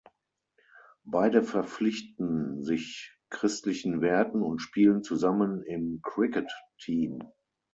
Beide verpflichten sich christlichen Werten und spielen zusammen im Cricket Team.